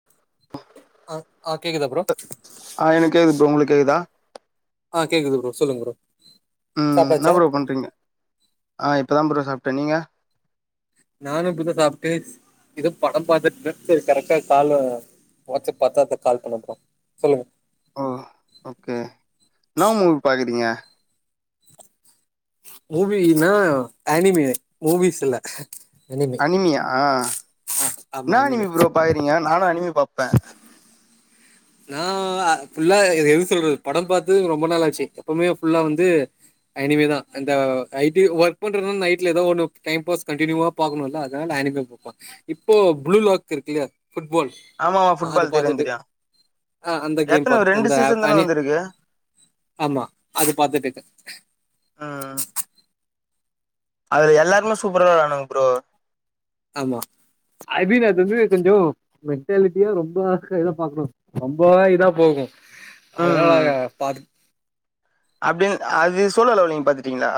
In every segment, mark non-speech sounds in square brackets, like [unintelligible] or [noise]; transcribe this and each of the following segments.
[unintelligible] அ ஆ கேக்குதா ப்ரோ ஆ எனக் கேக்து ப்ரோ உங்ளுக் கேகுதா ஆ கேக்குது ப்ரோ சொல்லுங் ப்ரோ ம் இன்னா சாப்ட்டாச்சா ப்ரோ பண்றிங்க ஆ இப்ப தா ப்ரோ சாப்ட்ட நீங்க நானு இப்புதா சாப்ட்டு இதோ படம் பாத்துட்ருந்த செரி கரெக்டடா கால வாட்ஸ்அப் பாத்தா அத்தா கால் பண்ண ப்ரோ சொல்லுங்க ஓ ஓக்கே இன்னா மூவி பாக்குறிங்க மூவினா ஆனிமினு மூவிஸ் இல்ல அனிமி அனிமியா இன்னா அனிமி ப்ரோ பாக்றிங்க நானு அனிமி பாப்ப நா அ ஃபுல்லா இத எப்டிசொல்றது படம் பாத்து ரொம்ப நாளாச்சி எப்பமே ஃபுல்லா வந்து அனிமிதா அந்த ஐடி ஒர்க் பண்றனா நைட்ல எதோ ஒன்னு டைம் பாஸ் கண்டிநியூவா பாக்கணுல்ல அதனால அனிமி பாப்பே இப்போ புளூ லாக் இருக்குல்லயா ஃபுட்பால் ஆமா ஆமா அது ஃபுட்பால் தெரியு பாத்துட்டு தெரியோ ஆ அந்த கேம் பாத் அந்த அ தான அனி வந்திருக்கு ஆமா அது பாத்துட்ருக்கே ஆ ஆ அதுல எல்லாருமே சூப்பரா வெளான்னுங்க ப்ரோ ஆம்மா ஐ மீன் அது வந்து கொஞ்சோ மென்டாலிட்டியா ரொம்ப ஆச இத பாக்குணு ரொம்ப இதா போகும் அதனால ம் அங்க பாத் அப்டின் அது சோலோ லெவளிங் பாத்துட்டிங்ளா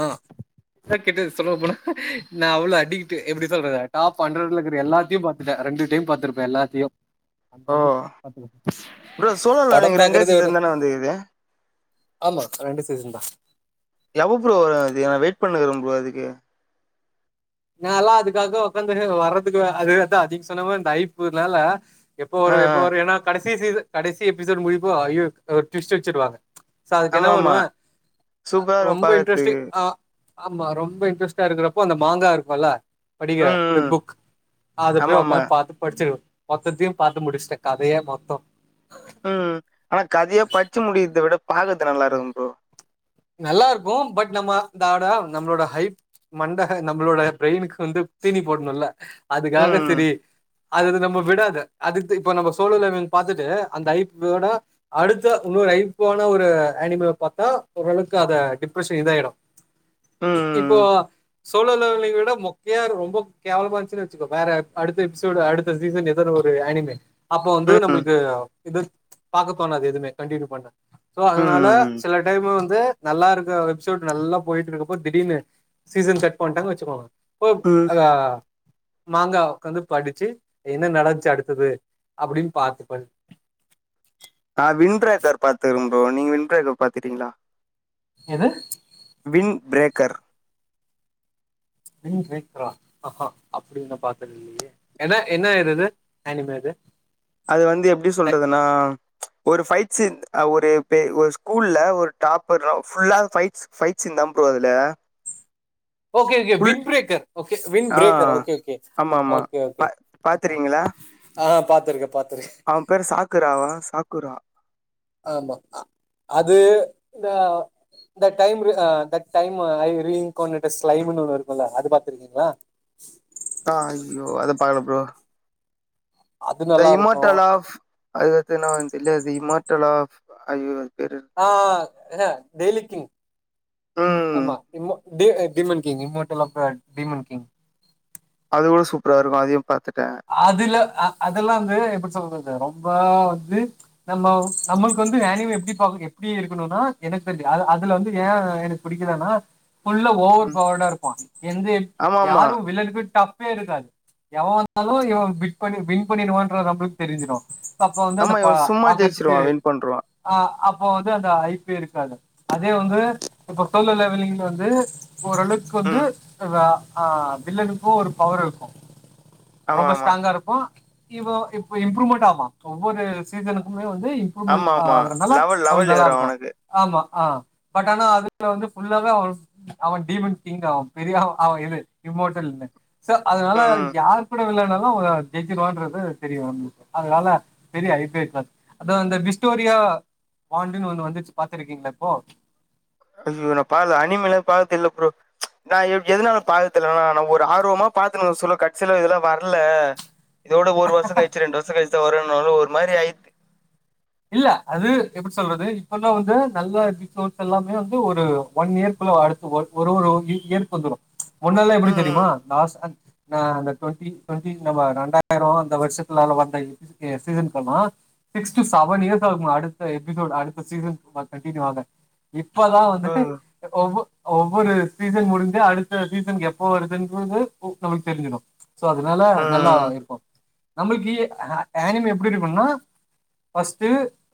ஆ கா கிட்ட சொல்ல போனா நா அவ்ளோ அடிக்ட்டு எப்டி சொல்றது டாப் அன்ரட்லக்குது எல்லாத்தியு பாத் இத ரெண்டு டைம் பாத்துருப்ப எல்லாதியு அந்த ஓ அளவுக் பாத்துக்கோ ப்ரோ சோலோ லெவலிங் ரெண்டே சீசன் தான வந்துக்குது ஆமா ரெண்டு சீசன் தா எப்ப ப்ரோ வரும் அது நா வெய்ட் பண்னுகுற ப்ரோ அதுக்கு நாலா அதுக்காக ஒக்க்காந்துனு வர்றதுக்கு அதுதா அதிக் சொன்னமார் இந்த ஐப்புன்னால எப்போ ஆ வரும் ஆ எப்போ வரும் ஏனா கடசி சிசன் கடைசி எப்பிசோடு முடிரப்போ ஐய்யோ ஆ ட்விஸ்ட்டு வெச்சுர்வாங்க சோ அதுக்கு என்ன ஆமாமா பண்ணுவ சூப்பரா இருக்கு ரொம்ப பாக்கறதுக்கு இன்ட்ரெஸ்டிங் அ ஆமா ரொம்ப இன்ட்ரஸ்ட்டா இருக்குறப்போ அந்த மங்கா இருக்கோல்ல படிக்கிற ம் ம் வெப் புக் அது போய் ஆமாமா உக்காந்து பாத்து படிச்சிருவ மொத்தியு பாத்து முடிஷ்ட்டே கதயே மொத்தோ உம் ஆனா கதயா பட்ச்சு முடிக்கர்த விட பாக்கர்து நல்லாருக்கும் ப்ரோ நல்லா இருக்கும் பட் நம்ம தாட நம்ளோட ஹைப் மண்ட நம்ளோட ப்ரெய்னுக்கு வந்து தீணி போட்ணுல்ல அதுக்காக ம் செரி அதுது நம்ள விடாது அதுக்கு இப்ப நம்ம சோலோ லெவளிங் பாத்துட்டு அந்த ஐப்போட அடுத்த இன்னொரு ஐப்பான ஒரு அனிமில பாத்தா ஒரளவுக்கு அத டிப்ரெஷன் இதாயிடு இப்போ ம் சோழர் லெவல விட மோக்கையா ரொம்ப கேவலமா இந்ச்சு வச்சுக்கோ வேற அடுத்த எபிசோடு அடு [unintelligible] அப்போ வந்து ம் நம்மளுக்கு இது பாக்க தோனாது எதுவுமே கண்டுனியூ பண்ண சோ அதுனால ம் சில டைம் வந் நல்லா இருக்க எபிசோடு நல்லா போயிட்டு இருக்கப்போ திடீர்னு சீசன் செக் பண்ட்டாங்க வச்சுக்கோங்க இப்பப் ம் அதானே மாங்கா ஒட்காந்து படிச்சு என்ன நடஞ்ச்சு அடுத்தது அப்டின்னு பாத்துப்பன் நா வின் ப்ரேக்கர் பாத்துறே ப்ரோ நீங் வின் ப்ரேக்கர் பாத்துக்கீங்ளா எது வின் பிரேக்கர் வின் ப்ரேக்கரா ஆஹா அப்டி ஒன்னு பாத்தில்லையே என என்ன [unintelligible] அது வந்து எப்டி சொல்றதுன்னா ஒரு ஃபைட் சீன் ஒரு ஒரு ஸ்கூல்ல ஒரு டாப்பர் ஃபுல்லா ஃபைட்ஸ் ஃபைட் சின் தா ப்ரோ அதுல okay okay full win breaker okay win ஆ breaker okay okay okay okay பாத்துருகீங்ளா ஆ பாத்துருக்கே பாத்துருக்கே அவெ பேரு சாக்குராவா சாக்குரா ஆமா அது இந்த இந்த டைம்ரு டைமு ஐ ரிங் காணொடெஸ் லைவுனு ஒன்னு இருக்குல்ல அது பாத்துருக்கீங்ளா ஆ ஐயோ அது பாக்கல ப்ரோ அது த நல்லா இருக்கும் இம்மார்ட்டல் ஆஃப் அதுக்கட்த்து என்ன வரு தெர்ல த இம்மார்ட்டல் ஆஃப் ஐயோ பேரு ஆ டெய்லி கிங் ம் ஆமா டிமோ டீ demon king immortal of demon king அது கூட சூப்பரா இருக்கு அதையு பாத்துட்டே அதுல அதெல்லா வந்து எப்டி சொல்றது ரொம்ப வந்து நம்ம நமக்கு வந்து [unintelligible] எப்டி பா எப்டி இருக்கணுனா எனக் தெருஞ்சு அதுல வந்து ஏ எனக் புடிக்கலனா புல்லப் ஓவர் ம் பவர்டா இருப்பா எந்தெ ஆமா ஆமா யாரு வில்லன்க்கு டஃப்பேஇருக்காது எவ வந்து தாலு இவெ விட் பண்ணி வின் பண்ணிருவான்ற நம்ப்ளுக் தெரிஞ்சிரு அப்ப வந்து அந்த ஆமா பா இவன் சும்மா பாக்கறதுக்கு ஜெயிச்சிருவான் வின் பண்ருவான் அ அப்போ வந்து அந்த வாய்ப்பே இருக்காது அதே வந்து இப்ப சொல்லல [unintelligible] வந்து ஓரளவ்க்கு வந்து ம் ஆ வில்லனுக்கு ஒரு பவர் இருக்கு ஆமா ரொம்ப ஆமா ஸ்ட்ராங்கா இருப்பா இவ இப்ப இம்ப்ரூவ்மெண்ட் ஆவா ஒவ்வொரு சீசனுக்குமே வந்து இம்ப்ரூமெண்ட் ஆமா ஆமா ஆகுறனால லெவல் அது லெவல் நல்லா ஏறும் இருக்கு அவனுக்கு ஆமா ஆ பட் ஆனா அதுல வந்து ஃபுல்லாவே அவ டீவண்ட் கிங் ஆவ பெரிய அவ இது இம்மோட்டல்னு சோ அதுனால ம் ம் யாரு வில்லன்னாலு [unintelligible] ஜெயிச்சுருவான்றது தெரியு அதுனால பெரிய ஐ பி கிளாஸ் அதா அந்த பிஸ்டோரியா பாண்டுன்னு ஒன்னு வந்துச்சு பாத்துருக்கீங்ளா இப்போ ஐயயோ நா பாக்ல அனிமலெ பாத்ததில்ல ப்ரோ நா எதுனால பா தெலனா நா ஒரு ஆர்வமா பாத்துனுக்க சொல்ல கட்சில இதெல்லா வர்ல இதோட ஒரு வர்ஷோ கழிச்சு ரெண்டு வர்ஷோ கழிச்சு தா வருனோன ஒரு மாரிஆயிச் இல்ல அது எப்டி சொல்றது இப்பல்லா வந்து நல்ல இர்க்கு சோர்ஸ் எல்லாமே வந்து ஒரு ஒன் இயர்குள்ள அடு ஒரு ஒரு ஒரு இயற்கு வந்துரு முன்னல்லா எப்புடி தெரியுமா ம் லாஸ்டா நா அந்த டுவெண்ட்டி டுவெண்டி நம்ம ரெண்டாயிரோ அந்த வருஷத்லால வந்த இது இது சீசன் போல்லா சிக்ஸ் டு ம் செவன் இயர்ஸ் ஆகுமா அடுத்த எபிசோட் அடுத்த சீசன் கண்டினியூ ஆக இப்பதா வந்துட்டு ம் ஒவ்வொ ஒவ்வொரு சீசன் முடிஞ்சி அடுத்த சீசன் எப்போ வருதுன்றது நமளுக்கு தெரிஞ்சிடு சோ அதனால ம் நல்லா ம் இருக்கு நம்மளுக்கி ஆ ஆனிமி எப்டி இருக்குன்னா ஃபஸ்ட்டு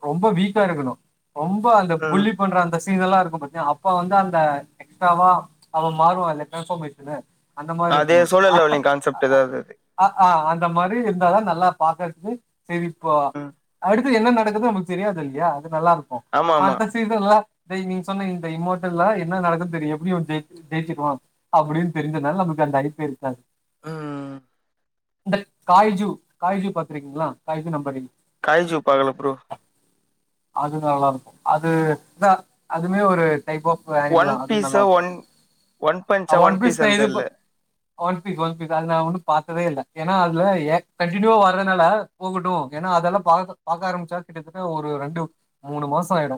ரொம்ப வீக்கா இருக்கணு ரொம்ப அந்த ம் புள்ளி பண்ற அந்த சீன் எல்லா இருக்கு பாத்தியா அப்ப வந்து அந்த எஸ்ட்ராவா அவ மாறுவால்ல டிரான்ஸ்ஃபர்மேஷனு அந்த மாரி அதே இருக்கணு சோலர் ஆ ஹா லெவலிங் ஆ கான்செப்ட் ஆ ஏதாவது அது அ ஆ அந்த மாரி இருந்தாதா நல்லா பாக்கறதுக்கு செய்திப்ப ம் அடுத்து என்ன நடக்குது நமக்கு தெரியாது இல்யா அது நல்லா இருக்கு ஆமா ஆமா மார்வெல்ஸ் சீசன்ல டேய் நீங்க சொன்ன இந்த இமோடலா என்ன நடக்குன் தெரியு எப்டி இவ ஜெ ஜெயிச்சிருவா அப்டின் தெரிஞ்சனால நமக்கு அந்த ஐப்பே இருக்காது ம் இந்த காய்ஜூ காய்ஜூ பாத்துருக்கீங்ளா காய்ஜூ நம்பறீங் காய்ஜூ பாக்கல ப்ரோ அது நல்லாருக்கு அது இதா அதுமே ஒரு டைப் ஆப் சோ ஒன் அனிபெல்லா அது நல்லா பீஸா இருக்கு ஒன் ஒன் அ பஞ்சா ஒன் பீஸ் தா பீஸான்னு இதுப்ப தெரியல ஒன் பீஸ் ஒன் பீஸ் அது நா ஒன்னு பாத்ததே இல்ல ஏன்னா அதுல எ கண்டினியூவா வர்றனால போகட்டு ஏனா அதெல்லா ப அதனால தா பாக்க ஆரம்பிச்சா கிட்டத்தட்ட ஒரு ரெண்டு மூணு மாசோ ஆயிடு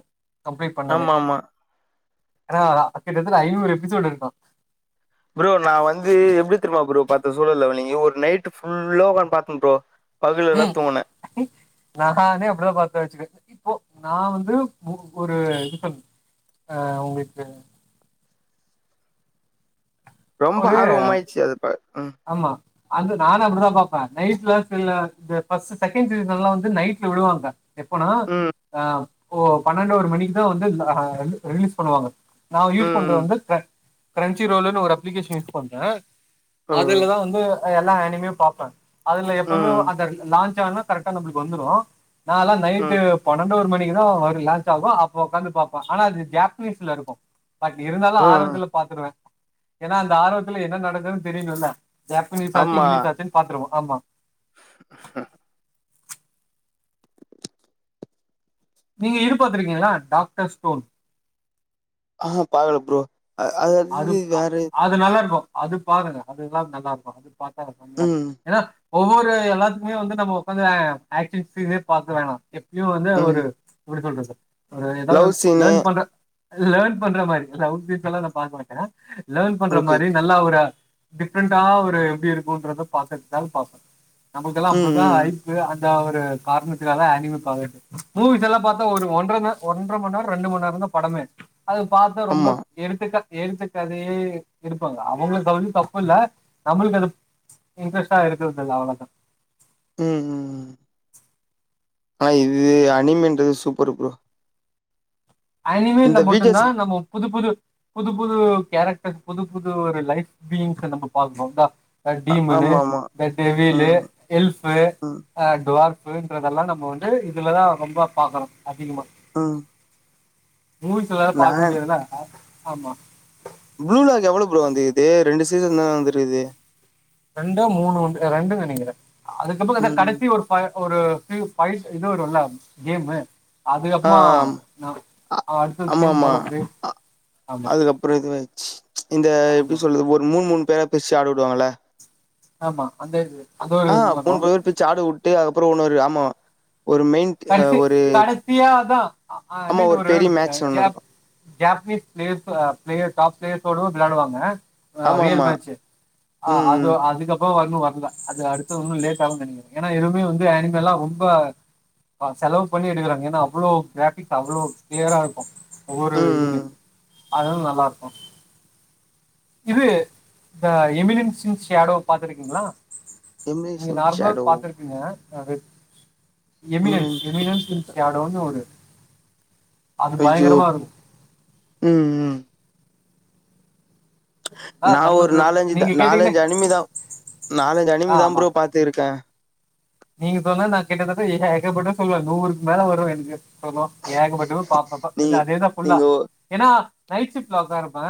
கம்ப்ளீட் பண்ணாலே ஆமா ஆமா அதா அதா கிட்டத்தில ஐநூறு எபிசோட் இருக்கு ப்ரோ நா வந்து எப்டி தெர்மா ப்ரோ பாத்த சூழல் லெவனையு ஒரு நைட் ஃபுல்லா ஒக்கான் பாத்த ப்ரோ பாதில தா ம் தூங்கனே நானே அப்டிதா பாத்த வச்சிக்க இப்போ நா வந்து ஒரு இது பண் அ உங்களுக்கு ரொம்ப ஒரு ஆர்வமா ஆய்ட்ச்சி அது அப்ப ம் ஆமா அந்து நானு அப்டி தா பாப்பே நைட்ல சில இந்த ஃபஸ் செகண்டு நல்லா வந்து நைட்ல இவ்ளோ வருதா எப்பனா ம் அ ஓ பணன்டு ஒரு மணிக் தா வந்து ஆ ஹா ரிலி ரிலீஸ் பண்ணுவாங்க நா யூஸ் பண்றது ம் வந்து கிர கிரென்ச்சி ரோலன்னு ஒரு அப்ளிகேஷன் யூஸ் பண்றே ம் அதுலதா வந்து எல்லா அனிமையு பாப்பே அதுல எப்பவுமே ம் அந்த லான் ஞ்ச கரெக்டா நம்மளுக்கு என்ற வந்துரும் நாம் நைட் ம் பணண்டு ஒரு மணிக்கு தா வரு லான்ச் ஆகு அப்ப ஒக்காந்து பாப்போ ஆனா அது ஜாப்பனீஸ்ல இருக்கு பட் இருந்தாலு ம் ஆர்வத்துல பாத்துருவே ஏன்னா அந்த ஆர்வத்துல என்ன நடந்ததுன் தெரியனுல்ல ஜப்பனீஸ் ஆச்சு இங்கிலீஷ் ஆச்சின் பாத்துருவோ ஆமா ஆஹ நீங்க இது பாத்துருக்கீங்ளா டாக்டர் ஸ்டோன் ஆஹா பாக்கல ப்ரோ அ அத அது அது நல்லா இருக்கு அது பாருங்க அது எல்லா நல்லா இருக்கு அது பாத்தா கம்மியா இருக்கு ம் ஏனா ஒவ்வொரு எல்லாத்துக்குமே வந்து நம்ம உக்காந்து ஆக்சன் சீனு பாக்க வேணா இவ வந்து ம் ஒரு எப்டி சொல்றது ஒரு ஏதாவது லவ் வந்த் சீனு லேன் பண்ற லேன் பண்ற மாரி லவ் சீன்ஸ்ல்லா நா பாக்க மாட்டே லேன் பண்ற ஓகே மாரி நல்லா ஒரு டிஃப்ரெண்டா ஒரு எப்டி இருக்குன்றத பாத்துட் தா பாப்பே நமக்கெல்லா அப்டி ம் தா ம் ஹைப் இது அந்த ஒரு கார்ணத்துக்காக அநிம கவர்டு மூவிஸெல்லா பாத்தா ஒரு ஒன்றம ஒன்றமண் நேர் ரெண்டு மண்நேரந்தான் படமே அது பாத்தா ரொம்ப ஆமா எடுத்துக்க எழுத்து கதை எடுப்பாங்க அவுங்களுக்கு அது வந்து தப்புல்ல நம்ளுக்கு அது இன்ட்ரெஸ்ட்டா இருக்குறதில்ல அவ்ளதா ம் ம் ஆ இது அனிம்ன்றது சூப்பருப்பா அனிமீல வி ஜே மட்டுந்தா எஸ் நம்ம புது புது புது புது கேரக்டர் புது புது ஒரு லைஃப் பீயிங்க்க நம்ம பாக்றோம்ல அ டீமுனு ஆமா ஆமா இந்த டெவிலு ம் எல்ஃபு ம் ஆ டுவார்ஃபுன்றதெல்லா நம்ம வந்து இதுலதா ரொம்பா பாக்குறோ அதிகமா ஆ மூவி சில நேரோ பாக்க முடியாதுல ஆ ஆமா ப்ளூலாஜ் எவுளோ ப்ரோ வந்துக்கிது ரெண்டு சீசன்தா வந்திருக்குது ரெண்டோ மூணோ உண்டு அ ரெண்டு நெனைக்கிறே அதுக்கப்புறோ அத ம் கடசி ஒரு அத ஒரு ஹீரோ பைட் இது வருல கேமு ஆ அதுக்கப்மா ஆம் இன்னு அது அ அடுத்தடுத் கேம் வரு இதுலே ஆமா அப்புறோ இது மேட்ச்சு இந்த எப்டி ஆமா சொல்றது ஒரு மூணு மூணு பேரா பிர்ச்சு ஆட விடுவாங்கள ஆமா அந்த இது அது ஒரு ஆ இது மூண் வரும் பேரா பிர்ச்சு ஆட உட்டு அதுக்கப்புறோ உன்னோரு ஆமா ஒரு மெய்ன் கடசி கடசியாதா அ ஐ ஆமா மீன் ஒரு பெரிய இந்த மேட்ச் ஒண்ணு ஜாப் நடக்கு ஜாப்பனீஸ் பிளேர் இப்ப பிளேயர் டாப் பிளேயர்ஸோடு விளாடுவாங்க ஆ ரியல் ஆமாமா மேட்ச்சு ஆ ம் அதூ ம் அதுக்கப் பறோ ஒன்னு வர்ல அது அடுத்து இன்னு லேட்டாகு நெனைக்கிற ஏனா எதுமே வந்து அனிமேலா ரொம்ப செலவு பண்ணி எடுக்குறாங்க ஏனா அவுளோ கிராஃபிக் அவுளோ கிளியரா இருக்கு ஒவ்வொரு ம் இதுமே ம் அதா நல்லா இருக்கு இது இந்த எமினென்சின் ஷேடோ பாத்துருக்கீங்ளா நீங்க எம்ரேசிங் நார்மலா ஷேடோ பாத்திருப்பீங்க அது எமினன்ஸ் எம்ரேசிங் எமின்ன்ஸ் இன் ஷேடோ ஷேடோனு ஒரு அது ஐயோ பயங்கரமா இருக்கு ம் ம் ஆ நா ஒரு நம்ம நாலஞ்சு தா நீங்க கேட்டீங்கன்னா நாலஞ்சு அனிமிதா நாலஞ்சு ஆ அனிமிதா ஆமா ப்ரோ பாத்திருக்க நீங்க சொன்னா நா கிட்டதட்ட ஏகப்பட்டது சொல்லுவ நூருக்கு மேல வரு எனுக்கு அப்பறமா ஏகப்பட்டது பாப்பன்ப்பா இது நீங்க அதேதா ஃபுல்லா நீங்க ஒ ஏனா நைட் ஷிப்ட்ல ஒர்க்கா இருப்ப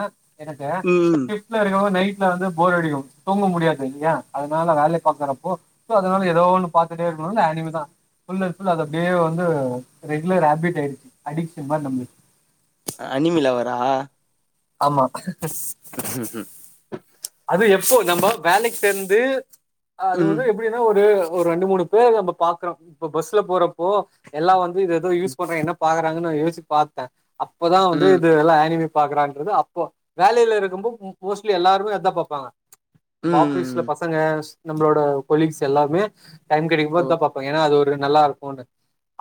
எனக்கு ம் ஷிப் டல இருக்குமோது நைட்ல வந்து போர் அடிக்கு தூங்க முடியாது இல்லயா அதுனால வேலை பாக்குறப்போ சோ அதுனால எதோ ஒன்னு பாத்துட்டே இருக்கணுனு அனிமிதா ஃபுல் அண் ஃபுல் அது அப்டியே வந்து ரெகுலர் ஹேப்பிட் ஆய்ருச்சு அடிட்டு மாரி நம்ளுக்கு அ அனிமி லவ்வரா ஆமா ம் ம் ம் அது எப்போ நம்ம வேலைக்கு சேந்து அது வந்து ம் அப்டினா ஒரு ஒரு ரெண்டு மூணு பேரு நம்ம பாக்குறோ இப்ப பஸ்ஸுல போறப்போ எல்லா வந்து இது எதோ யூஸ் பண்றாங்க என்ன பாக்குறாங்கன்னு நா யோச்சு பாத்த அப்பதா வந்து ம் இது எல்லா ஆனிமீ பாக்குறான்ட்றது அப்போ வேலைல இருக்கும்போ மோஸ்ட்லி எல்லாருமே அதா பாப்பாங்க நம்ம ஆபீஸ்ல ம் பசங்க நம்ளோட கொலிஸ் எல்லாருமே டைம் ஓ கெடைக்கும்போது இதா பாப் பாங்க ஏனா அது ஒரு நல்லா இருக்குன்னு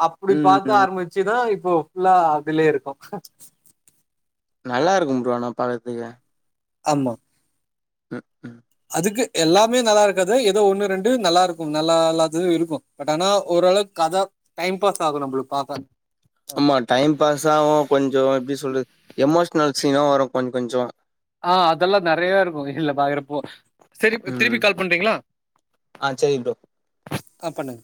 அப்புடி பாக்க ம் ஆரமி ச்சிதா இப்போ புல்லா அதுலயேஇருக்கோ நல்லா இருக்கு ப்ரோ ஆன பாக்குறதுக்கு ஆமா [inaudible] அதுக்கு எல்லாமே நல்லா இருக்காது ஏதோ ஒண்ணு ரெண்டு நல்லா இருக்கு நல்லா இல்லாதது இருக்கு பட் ஆனா ஓரளவுக்கு கதா டைம் பாஸ் ஆகு நம்மளுக்கு பாத்தா ஆமா டைம் பாஸ் ஆகு கொஞ்சோ எப்டி சொல்றது எமோஷ்னல் சீனு வரு கொஞ்சோ கொஞ்சோ அ அதெல்லா நறைய இருக்கு இல்ல பாக்கறப்போ சரி திருப்பி ம் கால் பண்றீங்களா ஆ சரி ப்ரோ அ பண்ணுங்க